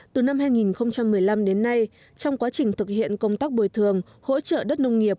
từ năm hai nghìn một mươi năm đến nay trong quá trình thực hiện công tác bồi thường hỗ trợ đất nông nghiệp